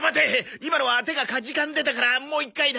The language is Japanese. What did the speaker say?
今のは手がかじかんでたからもう一回だ！